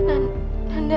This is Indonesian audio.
aku tau tadi